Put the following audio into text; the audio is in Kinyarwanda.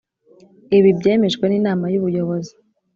Ibi byemejwe n’Inama y Ubuyobozi